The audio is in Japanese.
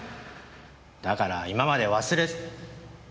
だから今まで忘れて。